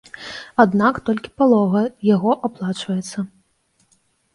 Аднак толькі палова яго аплачваецца.